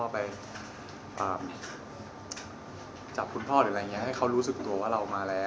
ไปจับคุณพ่อหรืออะไรอย่างนี้ให้เขารู้สึกตัวว่าเรามาแล้ว